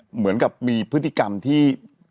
เหมือนกับมีพฤติกรรมที่